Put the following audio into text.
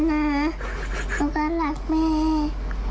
หนูก็รักแม่